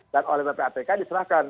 dan oleh ppatk diserahkan